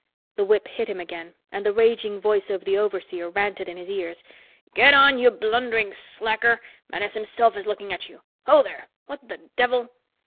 The whip hit him again, and the raging voice of the overseer ranted in his ears. "Get on, you blundering slacker. Menes himself is looking at you. Ho there what the devil?"